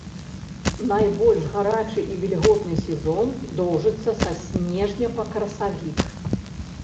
Найбольш гарачы і вільготны сезон доўжыцца са снежня па красавік.